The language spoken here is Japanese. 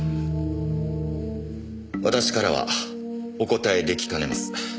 私からはお答え出来かねます。